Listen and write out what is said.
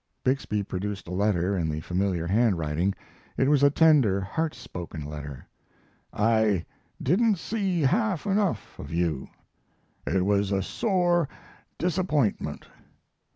Bixby produced a letter in the familiar handwriting. It was a tender, heart spoken letter: I didn't see half enough of you. It was a sore disappointment.